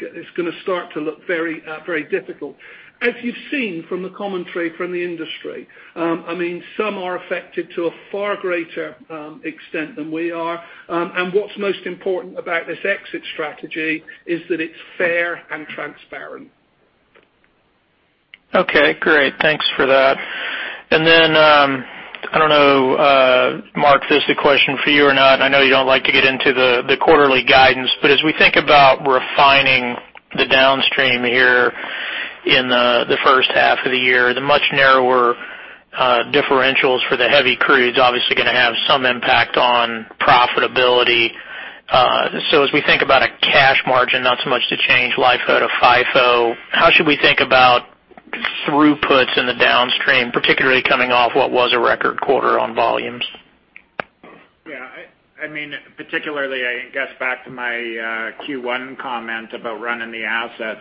[SPEAKER 3] to start to look very difficult. You've seen from the commentary from the industry, some are affected to a far greater extent than we are. What's most important about this exit strategy is that it's fair and transparent.
[SPEAKER 10] Okay, great. Thanks for that. I don't know, Mark, if this is a question for you or not. I know you don't like to get into the quarterly guidance, but as we think about refining the downstream here in the first half of the year, the much narrower differentials for the heavy crude is obviously going to have some impact on profitability. As we think about a cash margin, not so much the change LIFO to FIFO, how should we think about throughputs in the downstream, particularly coming off what was a record quarter on volumes?
[SPEAKER 4] Particularly, I guess back to my Q1 comment about running the assets.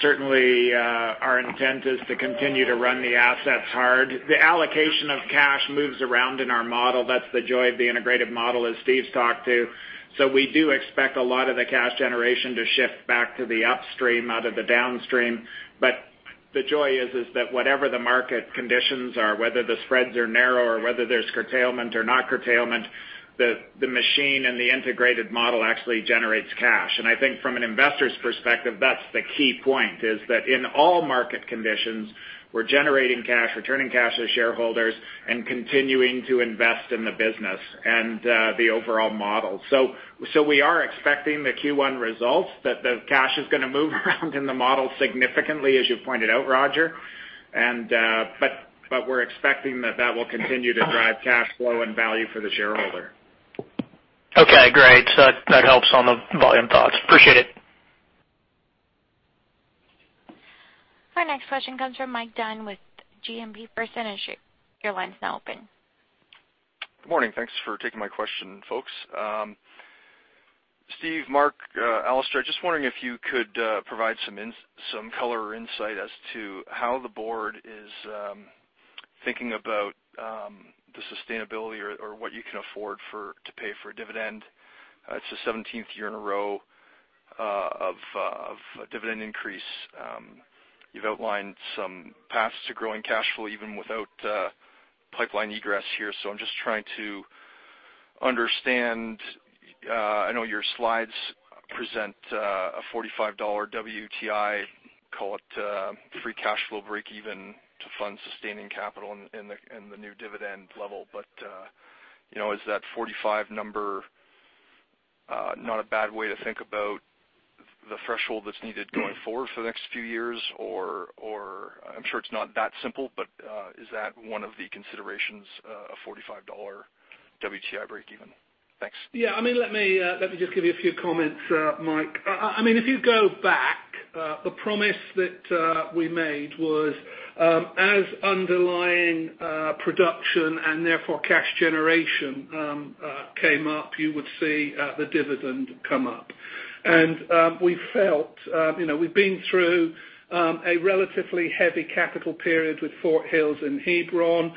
[SPEAKER 4] Certainly, our intent is to continue to run the assets hard. The allocation of cash moves around in our model. That's the joy of the integrated model that Steve's talked to. We do expect a lot of the cash generation to shift back to the upstream out of the downstream. The joy is that whatever the market conditions are, whether the spreads are narrow or whether there's curtailment or not curtailment, the machine and the integrated model actually generates cash. I think from an investor's perspective, that's the key point, is that in all market conditions, we're generating cash, returning cash to shareholders, and continuing to invest in the business and the overall model. We are expecting the Q1 results, that the cash is going to move around in the model significantly, as you pointed out, Roger. We're expecting that that will continue to drive cash flow and value for the shareholder.
[SPEAKER 10] Okay, great. That helps on the volume thoughts. Appreciate it.
[SPEAKER 1] Our next question comes from Mike Dunn with GMP FirstEnergy. Your line is now open.
[SPEAKER 11] Good morning. Thanks for taking my question, folks. Steve, Mark, Alister, just wondering if you could provide some color or insight as to how the board is thinking about the sustainability or what you can afford to pay for a dividend. It's the 17th year in a row of a dividend increase. You've outlined some paths to growing cash flow even without pipeline egress here. I'm just trying to understand. I know your slides present a $45 WTI, call it, free cash flow breakeven to fund sustaining capital and the new dividend level. Is that 45 number not a bad way to think about the threshold that's needed going forward for the next few years? I'm sure it's not that simple, is that one of the considerations, a $45 WTI breakeven? Thanks.
[SPEAKER 3] Yeah. Let me just give you a few comments, Mike. If you go back, a promise that we made was as underlying production and therefore cash generation came up, you would see the dividend come up. We've been through a relatively heavy capital period with Fort Hills and Hebron,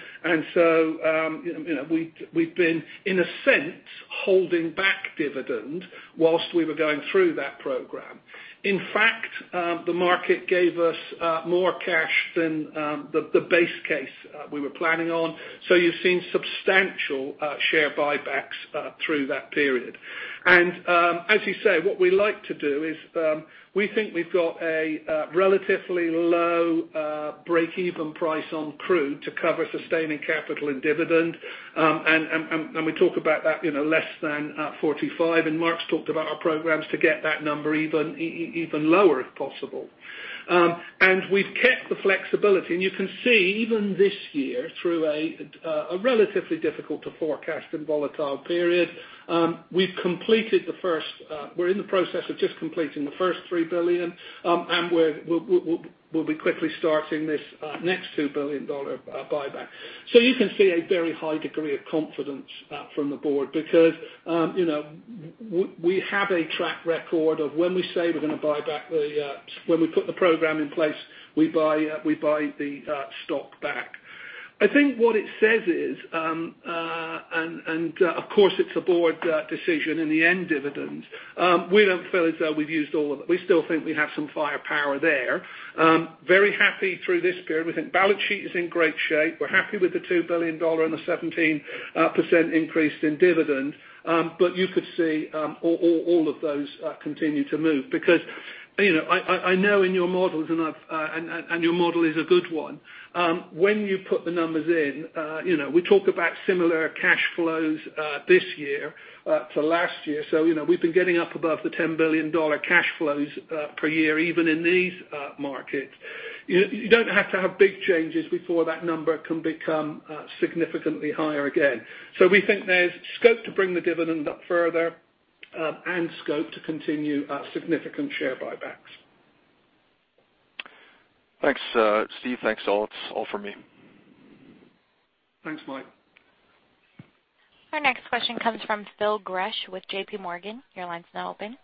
[SPEAKER 3] we've been, in a sense, holding back dividend whilst we were going through that program. In fact, the market gave us more cash than the base case we were planning on. You've seen substantial share buybacks through that period. As you say, what we like to do is, we think we've got a relatively low breakeven price on crude to cover sustaining capital and dividend. We talk about that less than $45, and Mark's talked about our programs to get that number even lower if possible. We've kept the flexibility, you can see even this year, through a relatively difficult to forecast and volatile period, we're in the process of just completing the first 3 billion, we'll be quickly starting this next 2 billion dollar buyback. You can see a very high degree of confidence from the board because we have a track record of when we say we're going to buy back the stock. When we put the program in place, we buy the stock back. I think what it says is, of course it's a board decision in the end dividend, we don't feel as though we've used all of it. We still think we have some firepower there. Very happy through this period. We think balance sheet is in great shape. We're happy with the 2 billion dollar and the 17% increase in dividend. You could see all of those continue to move because I know in your models, your model is a good one. When you put the numbers in, we talk about similar cash flows this year to last year. We've been getting up above 10 billion dollar cash flows per year, even in these markets. You don't have to have big changes before that number can become significantly higher again. We think there's scope to bring the dividend up further and scope to continue significant share buybacks.
[SPEAKER 11] Thanks, Steve. Thanks, all. It's all for me.
[SPEAKER 3] Thanks, Mike.
[SPEAKER 1] Our next question comes from Phil Gresh with JPMorgan. Your line's now open.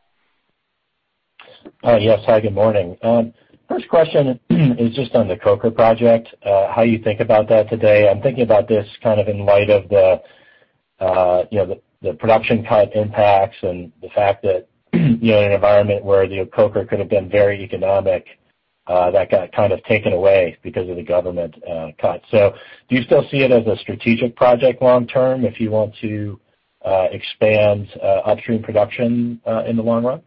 [SPEAKER 12] Yes. Hi, good morning. First question is just on the Coker project, how you think about that today. I'm thinking about this in light of the production cut impacts and the fact that in an environment where the Coker could have been very economic, that got taken away because of the government cuts. Do you still see it as a strategic project long term if you want to expand upstream production in the long run?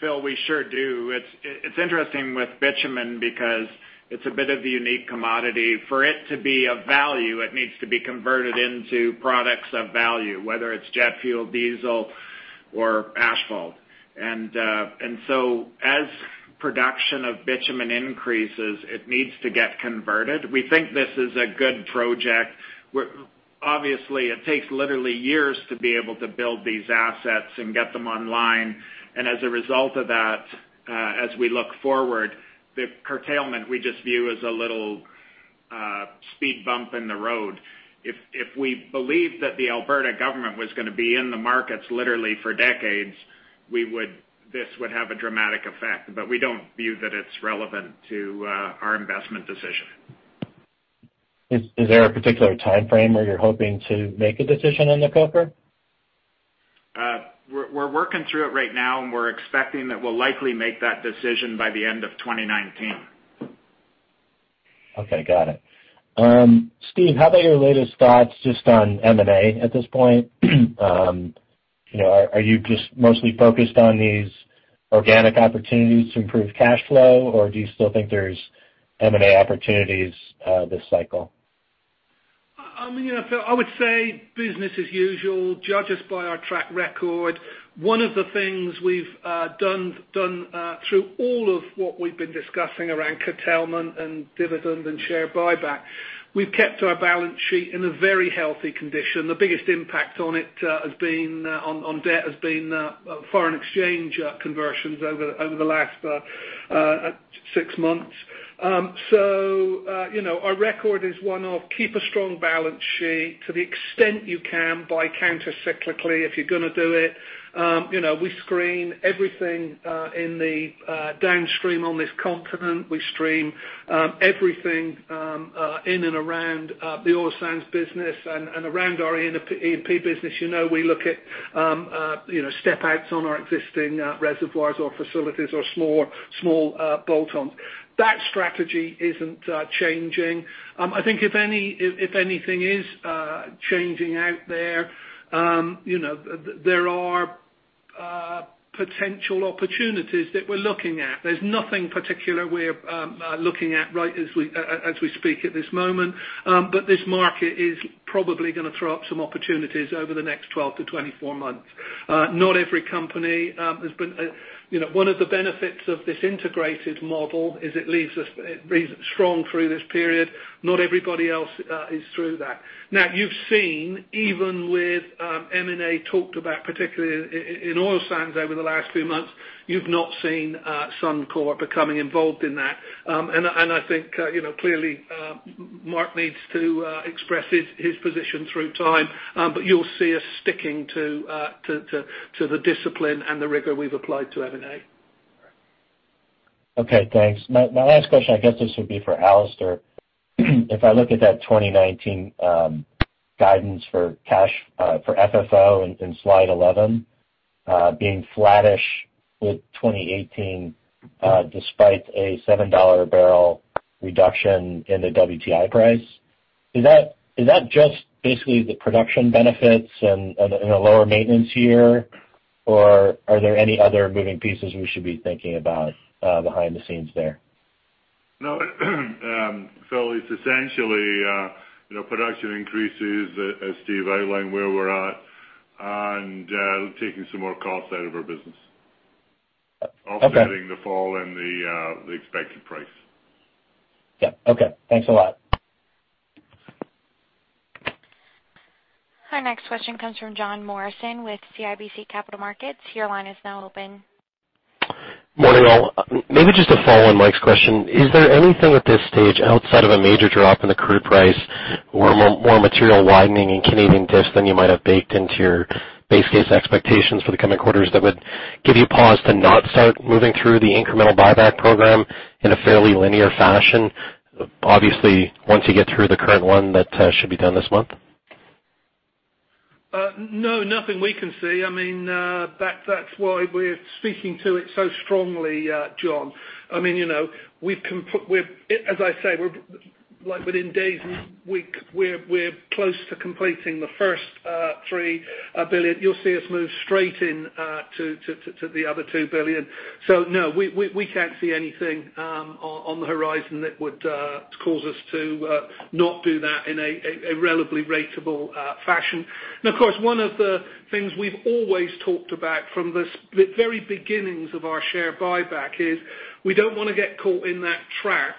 [SPEAKER 4] Phil, we sure do. It's interesting with bitumen because it's a bit of a unique commodity. For it to be of value, it needs to be converted into products of value, whether it's jet fuel, diesel, or asphalt. As production of bitumen increases, it needs to get converted. We think this is a good project. Obviously, it takes literally years to be able to build these assets and get them online. As a result of that, as we look forward, the curtailment we just view as a little speed bump in the road. If we believed that the Alberta government was going to be in the markets literally for decades, this would have a dramatic effect, but we don't view that it's relevant to our investment decision.
[SPEAKER 12] Is there a particular timeframe where you're hoping to make a decision on the Coker?
[SPEAKER 4] We're working through it right now, and we're expecting that we'll likely make that decision by the end of 2019.
[SPEAKER 12] Okay, got it. Steve, how about your latest thoughts just on M&A at this point? Are you just mostly focused on these organic opportunities to improve cash flow, or do you still think there are M&A opportunities this cycle?
[SPEAKER 3] Phil, I would say business as usual. Judge us by our track record. One of the things we've done through all of what we've been discussing around curtailment and dividend and share buyback, we've kept our balance sheet in a very healthy condition. The biggest impact on debt has been foreign exchange conversions over the last six months. Our record is one of keep a strong balance sheet to the extent you can, buy countercyclically if you're going to do it. We screen everything in the downstream on this continent. We screen everything in and around the oil sands business and around our E&P business. We look at step outs on our existing reservoirs or facilities or small bolt-ons. That strategy isn't changing. I think if anything is changing out there are potential opportunities that we're looking at. There's nothing particular we're looking at right as we speak at this moment. This market is probably going to throw up some opportunities over the next 12-24 months. One of the benefits of this integrated model is it leaves us strong through this period. Not everybody else is through that. You've seen even with M&A talked about, particularly in oil sands over the last few months, you've not seen Suncor becoming involved in that. I think, clearly, Mark needs to express his position through time. You'll see us sticking to the discipline and the rigor we've applied to M&A.
[SPEAKER 12] Okay, thanks. My last question, I guess this would be for Alister. If I look at that 2019 guidance for FFO in slide 11 being flattish with 2018 despite a 7 dollar a bbl reduction in the WTI price. Is that just basically the production benefits and a lower maintenance year or are there any other moving pieces we should be thinking about behind the scenes there?
[SPEAKER 5] No. it's essentially, production increases, as Steve outlined where we're at and taking some more costs out of our business.
[SPEAKER 12] Okay.
[SPEAKER 5] Offsetting the fall and the expected price.
[SPEAKER 12] Yep. Okay. Thanks a lot.
[SPEAKER 1] Our next question comes from Jon Morrison with CIBC Capital Markets. Your line is now open.
[SPEAKER 13] Morning, all. Maybe just to follow on Mike's question, is there anything at this stage outside of a major drop in the crude price or more material widening in Canadian diff than you might have baked into your base case expectations for the coming quarters that would give you pause to not start moving through the incremental buyback program in a fairly linear fashion? Obviously, once you get through the current one that should be done this month.
[SPEAKER 3] No, nothing we can see. That's why we're speaking to it so strongly, Jon. As I say, within days, weeks, we're close to completing the first 3 billion. You'll see us move straight into the other 2 billion. No, we can't see anything on the horizon that would cause us to not do that in a relatively ratable fashion. Of course, one of the things we've always talked about from the very beginnings of our share buyback is we don't want to get caught in that trap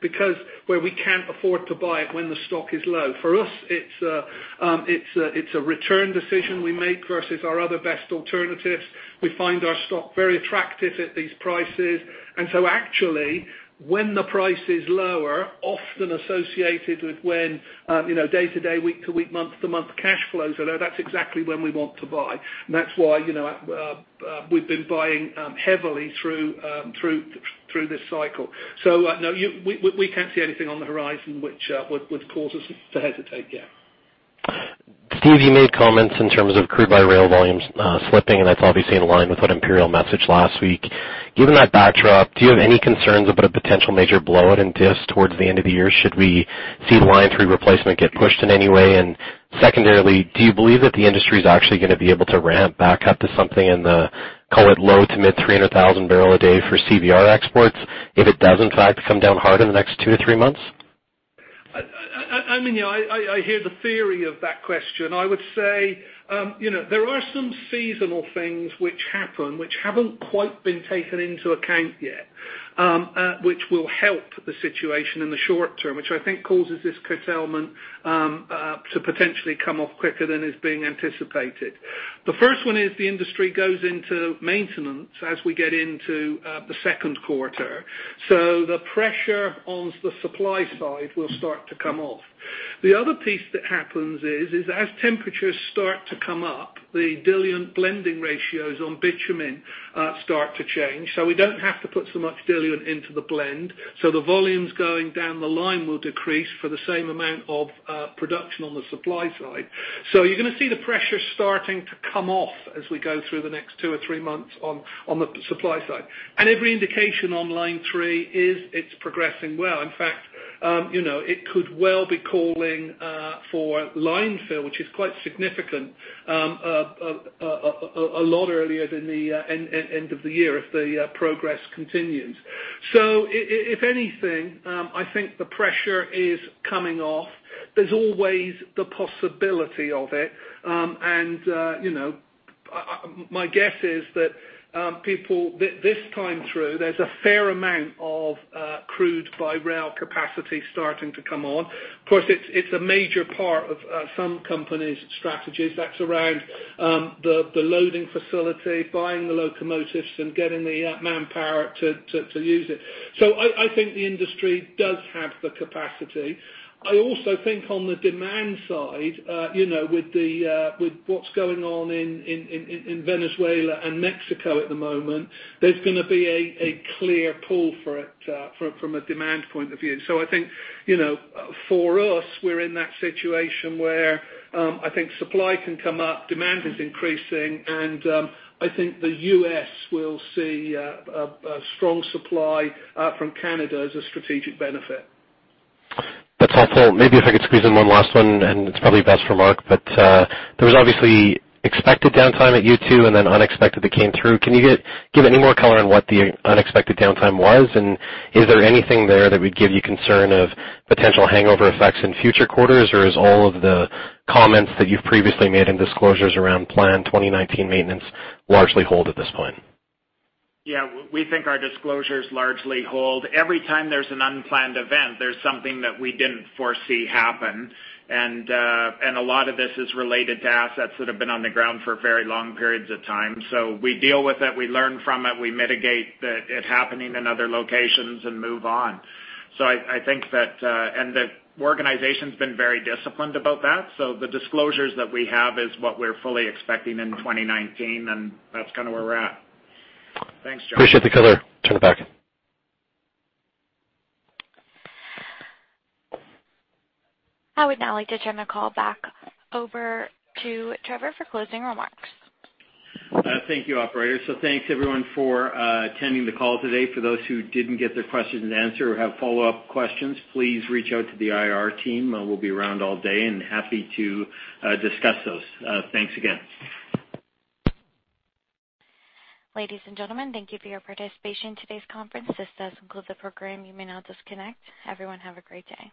[SPEAKER 3] because where we can't afford to buy it when the stock is low. For us, it's a return decision we make versus our other best alternatives. We find our stock very attractive at these prices. Actually, when the price is lower, often associated with when day to day, week to week, month to month cash flows are low, that's exactly when we want to buy. That's why we've been buying heavily through this cycle. No, we can't see anything on the horizon which would cause us to hesitate, yeah.
[SPEAKER 13] Steve, you made comments in terms of crude by rail volumes slipping, and that's obviously in line with what Imperial messaged last week. Given that backdrop, do you have any concerns about a potential major blow out in diff towards the end of the year? Should we see the Line three replacement get pushed in any way? Secondarily, do you believe that the industry is actually going to be able to ramp back up to something in the, call it, low to mid 300,000 bbl a day for CBR exports if it does, in fact, come down hard in the next two to three months?
[SPEAKER 3] I hear the theory of that question. I would say there are some seasonal things which happen, which haven't quite been taken into account yet, which will help the situation in the short term, which I think causes this curtailment to potentially come off quicker than is being anticipated. The first one is the industry goes into maintenance as we get into the second quarter. The pressure on the supply side will start to come off. The other piece that happens is, as temperatures start to come up, the diluent blending ratios on bitumen start to change. We don't have to put so much diluent into the blend. The volumes going down the line will decrease for the same amount of production on the supply side. You're going to see the pressure starting to come off as we go through the next two or three months on the supply side. Every indication on Line three is it's progressing well. In fact, it could well be calling for line fill, which is quite significant, a lot earlier than the end of the year if the progress continues. If anything, I think the pressure is coming off. There's always the possibility of it. My guess is that this time through, there's a fair amount of crude by rail capacity starting to come on. Of course, it's a major part of some companies' strategies. That's around the loading facility, buying the locomotives, and getting the manpower to use it. I think the industry does have the capacity. I also think on the demand side, with what's going on in Venezuela and Mexico at the moment, there's going to be a clear pull for it from a demand point of view. I think for us, we're in that situation where I think supply can come up, demand is increasing, and I think the U.S. will see a strong supply from Canada as a strategic benefit.
[SPEAKER 13] That's helpful. Maybe if I could squeeze in one last one, and it's probably best for Mark. There was obviously expected downtime at U2 and then unexpected that came through. Can you give any more color on what the unexpected downtime was? Is there anything there that would give you concern of potential hangover effects in future quarters? Is all of the comments that you've previously made in disclosures around planned 2019 maintenance largely hold at this point?
[SPEAKER 4] Yeah. We think our disclosures largely hold. Every time there's an unplanned event, there's something that we didn't foresee happen. A lot of this is related to assets that have been on the ground for very long periods of time. We deal with it, we learn from it, we mitigate it happening in other locations and move on. The organization's been very disciplined about that. The disclosures that we have is what we're fully expecting in 2019, and that's where we're at. Thanks, Jon.
[SPEAKER 13] Appreciate the color. Turn it back.
[SPEAKER 1] I would now like to turn the call back over to Trevor for closing remarks.
[SPEAKER 2] Thank you, operator. Thanks everyone for attending the call today. For those who didn't get their questions answered or have follow-up questions, please reach out to the IR team. We'll be around all day and happy to discuss those. Thanks again.
[SPEAKER 1] Ladies and gentlemen, thank you for your participation in today's conference. This does conclude the program. You may now disconnect. Everyone have a great day.